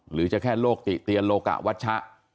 หรือจะแค่โรคติเตียนโลกะวัชชะ